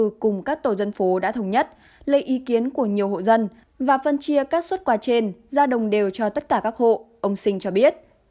nên trị bộ khu dân cư cùng các tổ dân phố đã thống nhất lấy ý kiến của nhiều hộ dân và phân chia các xuất quà trên ra đồng đều cho tất cả các hộ ông sinh cho biết